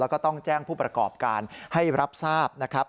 แล้วก็ต้องแจ้งผู้ประกอบการให้รับทราบนะครับ